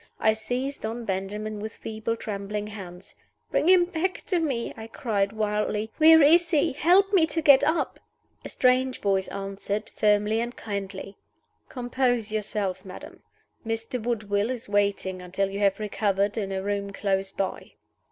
I seized on Benjamin with feeble, trembling hands. "Bring him back to me!" I cried, wildly. "Where is he? Help me to get up!" A strange voice answered, firmly and kindly: "Compose yourself, madam. Mr. Woodville is waiting until you have recovered, in a room close by."